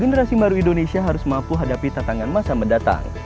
generasi baru indonesia harus mampu hadapi tantangan masa mendatang